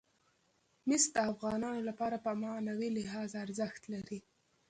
مس د افغانانو لپاره په معنوي لحاظ ارزښت لري.